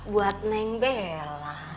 buat neng bella